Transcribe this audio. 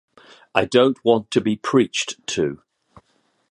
I don't want to be preached to.